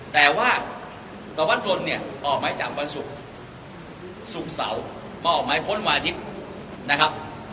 แต่ว่าสวัสชนเนี่ยออกหมายจับวันศุกร์ศุกร์เสาร์มาออกหมายค้นวันอาทิตย์นะครับ